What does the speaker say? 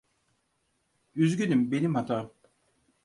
Üzgünüm, benim hatam.